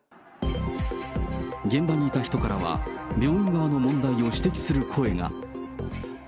現場にいた人からは、病院側の問題を指摘する声が。